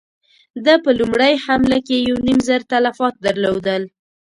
ده په لومړۍ حمله کې يو نيم زر تلفات درلودل.